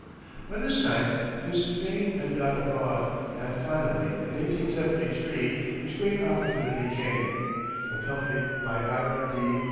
By this time, his fame had got abroad, and finally in 1873, his great opportunity came. Accompanied by Ira D.